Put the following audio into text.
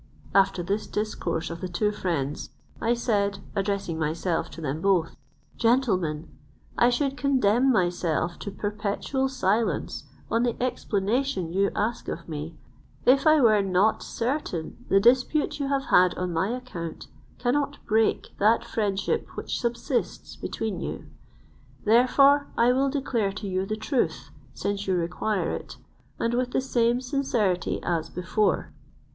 After this discourse of the two friends, I said, addressing myself to them both, "Gentlemen, I should condemn myself to perpetual silence, on the explanation you ask of me, if I were not certain the dispute you have had on my account cannot break that friendship which subsists between you; therefore I will declare to you the truth, since you require it; and with the same sincerity as before."